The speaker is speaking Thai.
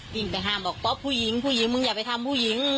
วิ่งไปห้ามบอกป๊อปผู้หญิงผู้หญิงมึงอย่าไปทำผู้หญิง